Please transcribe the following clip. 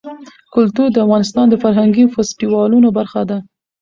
کلتور د افغانستان د فرهنګي فستیوالونو برخه ده.